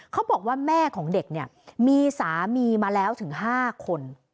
เขาบอกว่าแม่ของเด็กเนี่ยมีสามีมาแล้วถึง๕คน